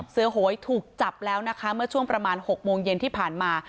โหยถูกจับแล้วนะคะเมื่อช่วงประมาณ๖โมงเย็นที่ผ่านมา